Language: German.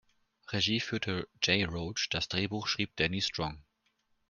Regie führte Jay Roach, das Drehbuch schrieb Danny Strong.